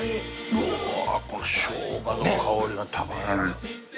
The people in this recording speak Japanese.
うわこのしょうがの香りがたまらない